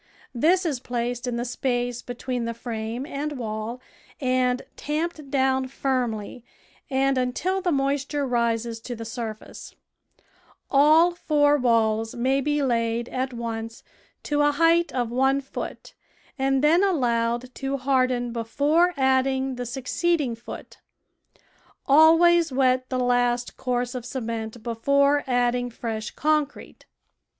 This is placed in the space between the frame and wall and tamped down firmly and until the moisture rises to the surface; all four walls ma}^ be laid at once to a height of one foot and then allowed to harden before adding the succeeding foot; always wet the last course of cement before adding fresh concrete.